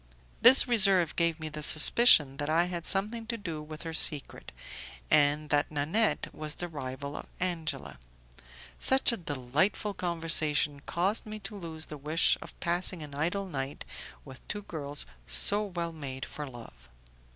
This reserve gave me the suspicion that I had something to do with her secret, and that Nanette was the rival of Angela. Such a delightful conversation caused me to lose the wish of passing an idle night with two girls so well made for love.